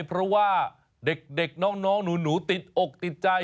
เพราะว่าเด็กน้องหนูติดอกติดใจ